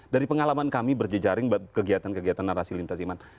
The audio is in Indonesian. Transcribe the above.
dari pengalaman kami berjejaring kegiatan kegiatan narasi lintas iman